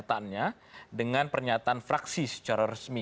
usaha jenderal tetap bersama kami